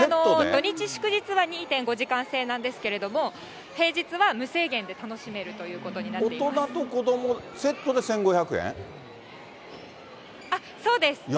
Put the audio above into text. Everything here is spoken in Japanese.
土日祝日は、２．５時間制なんですけれども、平日は無制限で楽しめるというこ大人と子ども、セットで１５そうです。